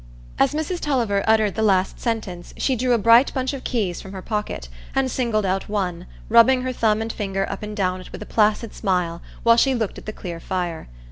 As Mrs Tulliver uttered the last sentence, she drew a bright bunch of keys from her pocket, and singled out one, rubbing her thumb and finger up and down it with a placid smile while she looked at the clear fire.